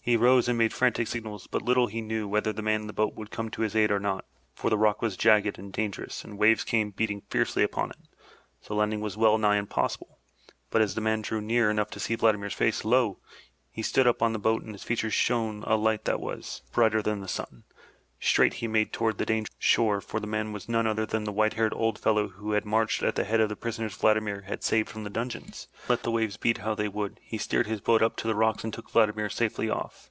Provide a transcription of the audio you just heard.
He rose and made frantic signals, but little he knew whether the man in the boat would come to his aid or not, for the rock was jagged and dangerous and the waves came beating fiercely upon it, so landing was well nigh impossible. But as the man drew near enough to see Vladimir's face, lo! he stood up in the boat and in his features shone a light that was 374 THROUGH FAIRY HALLS brighter than the sun. Straight he made toward the dangerous shore, for the man was none other than the white haired old fellow who had marched at the head of the prisoners Vladimir had saved from the dungeons. And let the waves beat how they would, he steered his boat up to the rocks and took Vladimir safely off.